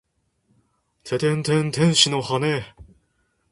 ててんてん天使の羽！